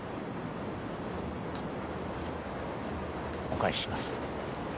お返しします。